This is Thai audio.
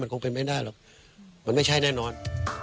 คงเป็นไม่ได้หรอกมันไม่ใช่แน่นอน